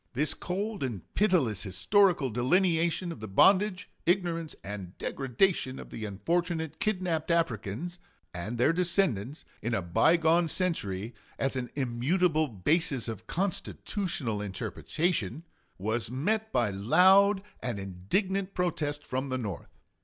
This cold and pitiless historical delineation of the bondage, ignorance, and degradation of the unfortunate kidnaped Africans and their descendants in a by gone century, as an immutable basis of constitutional interpretation, was met by loud and indignant protest from the North.